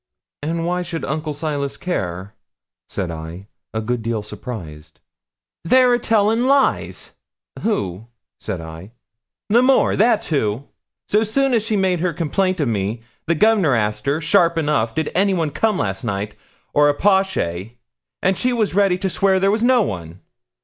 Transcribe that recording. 'And why should Uncle Silas care?' said I, a good deal surprised. 'They're a tellin' lies.' 'Who?' said I. 'L'Amour that's who. So soon as she made her complaint of me, the Gov'nor asked her, sharp enough, did anyone come last night, or a po'shay; and she was ready to swear there was no one.